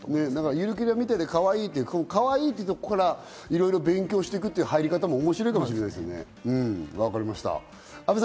ゆるキャラみたいでかわいいというところから、いろいろ勉強していくという入り方も面白いかもしれませんね。